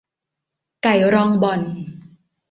ไก่รองบ่อน